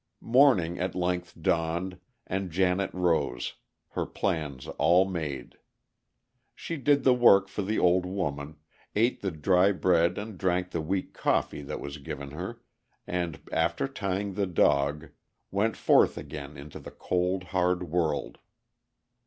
Morning at length dawned, and Janet rose, her plans all made. She did the work for the old woman, ate the dry bread and drank the weak coffee that was given her, and, after tying the dog, went forth again into the cold, hard world.